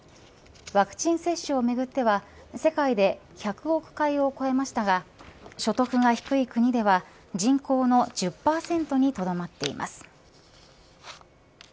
ワクチン接種をめぐっては世界で１００億回を超えましたが所得が低い国では人口の１０％にとどまっています。